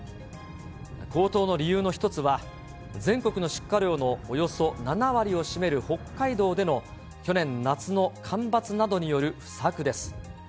高騰の理由の一つは、全国の出荷量のおよそ７割を占める北海道での、去年夏の干ばつなどによる不作です。